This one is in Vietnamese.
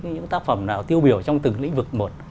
những tác phẩm nào tiêu biểu trong từng lĩnh vực một